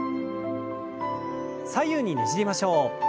左右にねじりましょう。